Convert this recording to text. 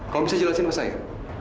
kamu bisa jelasin pak sayang